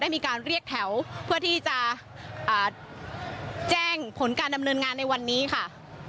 มีการเรียกแถวเพื่อที่จะแจ้งผลการดำเนินงานในวันนี้ค่ะ